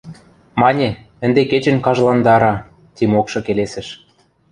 – Мане, ӹнде кечӹнь кажландара, – Тимокшы келесӹш.